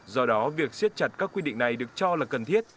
do đó việc siết chặt các quy định này được cho là cần thiết